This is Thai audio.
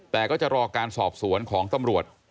แต่ก็จะรอการสอบสวนของตำรวจ